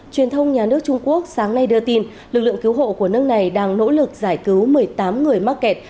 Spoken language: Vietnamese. truyền thông nhà nước trung quốc sáng nay đưa tin lực lượng cứu hộ của nước này đang nỗ lực giải cứu một mươi tám người mắc kẹt